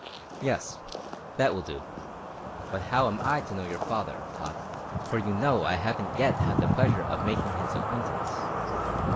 Yes, that will do. But how am I to know your father, Tot, for you know I haven't yet had the pleasure of makin' his acquaintance?"